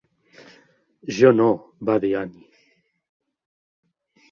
"Jo no", va dir Annie.